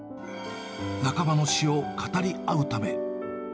仲間の死を語り合うため。